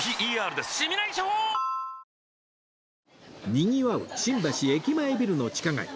にぎわう新橋駅前ビルの地下街